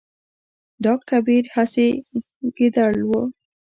ډاګ کمبېر هسي ګنډېر و